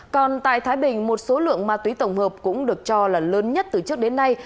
còn tại thái bình một số lượng ma túy tổng hợp cũng được cho là lớn nhất từ trước đến nay